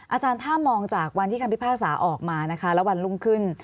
อาจารย์ถ้ามองจากวันที่คำพิพากษาออกมานะคะแล้ววันรุ่งขึ้น